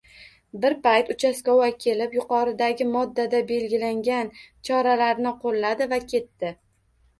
Bir payt uchastkavoy kelib yuqoridagi moddada belgilangan choralarni qo‘lladi va ketdi.